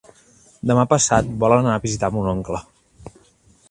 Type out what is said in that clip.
Demà passat volen anar a visitar mon oncle.